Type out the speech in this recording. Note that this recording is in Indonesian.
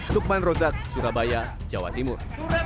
lukman rozak surabaya jawa timur